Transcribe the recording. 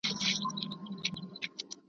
پر مزلونو د کرې ورځي پښېمان سو .